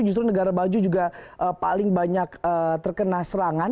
justru negara maju juga paling banyak terkena serangan